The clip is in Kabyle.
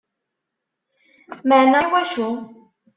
Meεna iwacu?